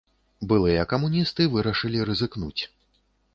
Былыя камуністы вырашылі рызыкнуць.